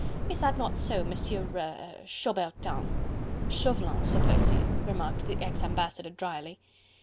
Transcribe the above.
Is that not so, Monsieur... er... Chaubertin?" "Chauvelin, Sir Percy," remarked the ex ambassador drily.